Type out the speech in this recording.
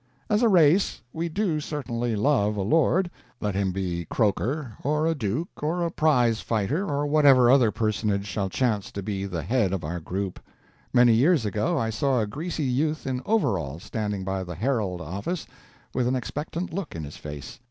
As a race, we do certainly love a lord let him be Croker, or a duke, or a prize fighter, or whatever other personage shall chance to be the head of our group. Many years ago, I saw a greasy youth in overalls standing by the _Herald _office, with an expectant look in his face.